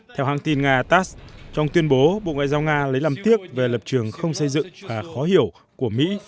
theo hãng tin nga tass trong tuyên bố bộ ngoại giao nga lấy làm tiếc về lập trường không xây dựng và khó hiểu của mỹ